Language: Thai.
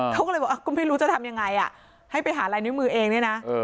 เขาก็เลยบอกก็ไม่รู้จะทำยังไงให้ไปหาลายนิ้วมือเองเนี่ยนะ